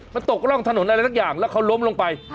มันตกร่องถนนอะไรสักอย่างแล้วเขาล้มลงไป